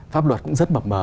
pháp luật cũng rất bậc mờ